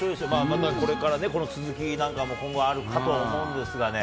またこれからね、この続きなんかも今後あるかと思うんですがね、